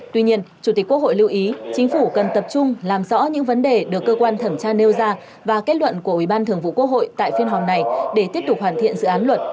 tuy nhiên chủ tịch quốc hội lưu ý chính phủ cần tập trung làm rõ những vấn đề được cơ quan thẩm tra nêu ra và kết luận của ủy ban thường vụ quốc hội tại phiên họp này để tiếp tục hoàn thiện dự án luật